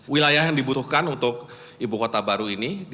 wilayah yang dibutuhkan untuk ibu kota baru ini